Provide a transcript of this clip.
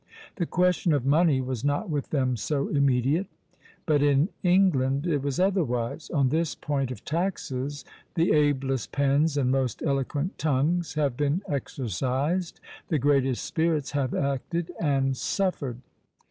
The question of money was not with them so immediate. But in England it was otherwise. On this point of taxes the ablest pens and most eloquent tongues have been exercised; the greatest spirits have acted and suffered."